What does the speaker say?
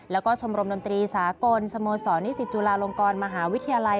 แล้วก็ชมรมดนตรีสากลสโมสรนิสิตจุฬาลงกรมหาวิทยาลัย